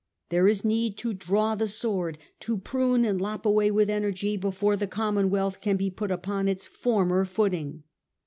There is need to draw the sword, to prune and lop away with energy, before the commonwealth can be put upon its former rooting.